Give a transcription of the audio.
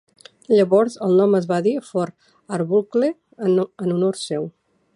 Llavors el nom es va dir Fort Arbuckle en honor seu.